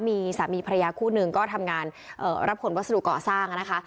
มีสามีภรรยาคู่หนึ่งก็ทำงานรับผลวัสดุเกาะสร้างนะคะ